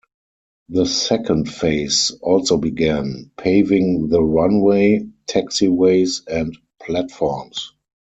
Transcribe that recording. The second phase also began: paving the runway, taxiways, and platforms.